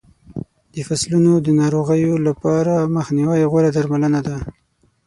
د فصلونو د ناروغیو لپاره مخنیوی غوره درملنه ده.